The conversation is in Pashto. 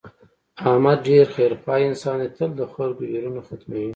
احمد ډېر خیر خوا انسان دی تل د خلکو ویرونه ختموي.